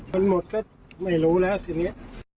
มันหมดก็ไม่รู้แล้วทีนี้